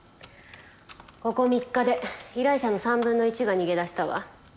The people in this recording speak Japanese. ここ３日で依頼者の３分の１が逃げ出したわ。